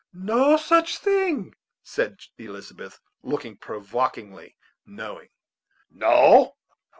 "No such thing," said Elizabeth, looking provokingly knowing. "No!